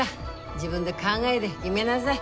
自分で考えで決めなさい。